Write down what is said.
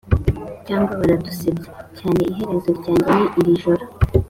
cyangwa. baradusebya? cyaneiherezo ryanjye ni iri joro